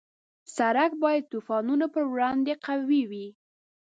سړک باید د طوفانونو په وړاندې قوي وي.